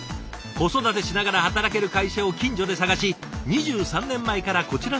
子育てしながら働ける会社を近所で探し２３年前からこちらの会社へ。